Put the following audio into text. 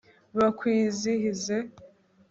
bakwizihize